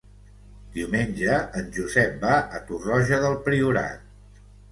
Diumenge en Josep va a Torroja del Priorat.